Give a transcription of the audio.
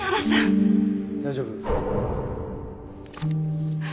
大丈夫？